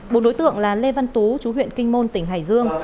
bộ đối tượng là lê văn tú chú huyện kinh môn tỉnh hải dương